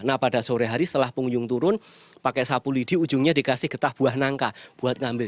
nah pada sore hari setelah pengunjung turun pakai sapu lidi ujungnya dikasih getah buah nangka buat ngambil